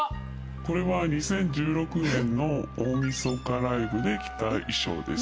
これは２０１６年の大みそかライブで着た衣装です。